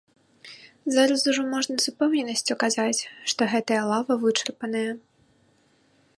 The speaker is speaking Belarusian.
Зараз ужо можна з упэўненасцю казаць, што гэтая лава вычарпаная.